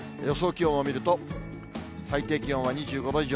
気温を見ると、最低気温は２５度以上。